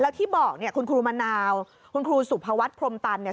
แล้วที่บอกเนี่ยคุณครูมะนาวคุณครูสุภวัฒนพรมตันเนี่ย